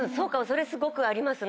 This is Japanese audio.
それすごくあります。